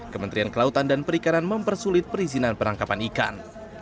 kementerian kelautan dan perikanan mempersulit perizinan penangkapan ikan